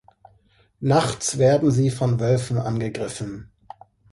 Nachts werden sie von Wölfen angegriffen.